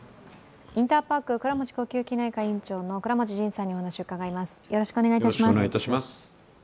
インターパーク倉持呼吸器内科院長の倉持仁さんにお話を伺います。